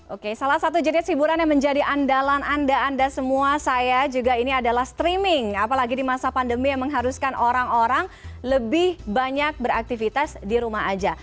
oke salah satu jenis hiburan yang menjadi andalan anda anda semua saya juga ini adalah streaming apalagi di masa pandemi yang mengharuskan orang orang lebih banyak beraktivitas di rumah aja